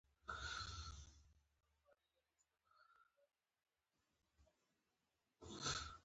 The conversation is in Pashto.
زما سترګې خوله ځيګر او پښه يې کتل.